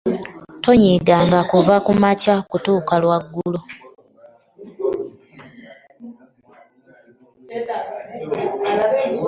Tonyiiganga kuva nkya okutuusa eggulo.